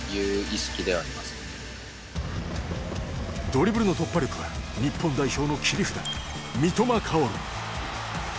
ドリブルの突破力は日本代表の切り札